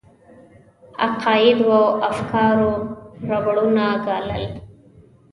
عقایدو او افکارو ربړونه ګالل.